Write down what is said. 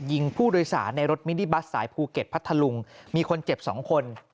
ยิงผู้โดยสารในรถมินิบัสสายภูเก็ตพัทธลุงมีคนเจ็บสองคน